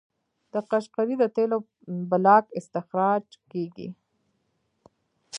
د قشقري د تیلو بلاک استخراج کیږي.